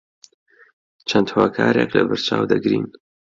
چەند هۆکارێک لەبەرچاو دەگرین